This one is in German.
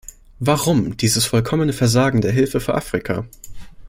Warum dieses vollkommene Versagen der Hilfe für Afrika?